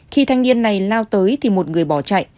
khi thanh niên này lao tới thì một người bỏ chạy